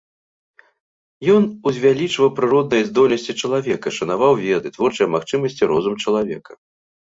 Ён узвялічваў прыродныя здольнасці чалавека, шанаваў веды, творчыя магчымасці, розум чалавека.